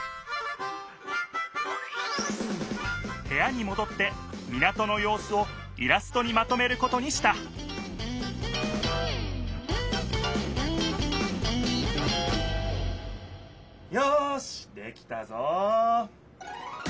へやにもどって港のようすをイラストにまとめることにしたよしできたぞ！